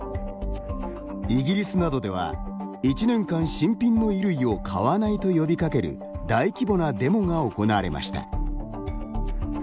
イギリスなどでは１年間、新品の衣類を買わないと呼びかける大規模なデモが行われました。